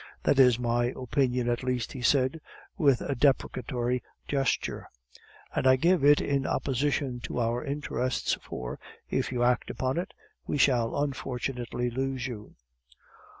That is my opinion at least," he said, with a deprecatory gesture, "and I give it in opposition to our interests, for, if you act upon it, we shall unfortunately lose you."